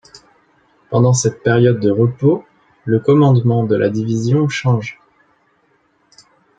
Pendant cette période de repos, le commandement de la division change.